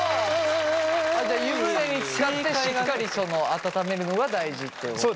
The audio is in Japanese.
じゃ湯船につかってしっかり温めるのが大事ってことですね。